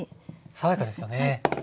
爽やかですよね。